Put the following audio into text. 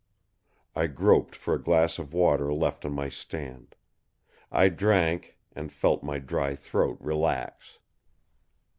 I groped for a glass of water left on my stand. I drank, and felt my dry throat relax.